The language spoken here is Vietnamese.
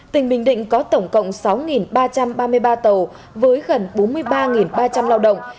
tỉnh bình định có tổng cộng sáu ba trăm ba mươi ba tàu với gần bốn mươi ba ba trăm linh lao động